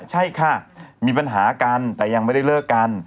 ใช่ค่ะมีปัญหากันแต่ยังไม่ได้เลิกกัน